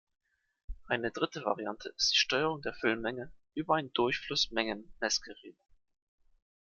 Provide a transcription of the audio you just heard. Eine dritte Variante ist die Steuerung der Füllmenge über ein Durchflussmengen-Messgerät.